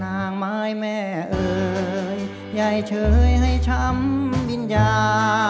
นางไม้แม่เอ่ยยายเฉยให้ช้ำวิญญา